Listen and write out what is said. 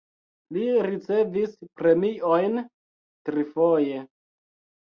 Li ricevis premiojn trifoje.